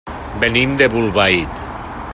Venim de Bolbait.